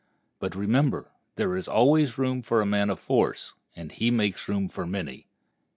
But remember, there is always room for a man of force, and he makes room for many.